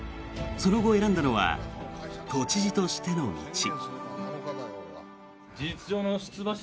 その後、選んだのは都知事としての道。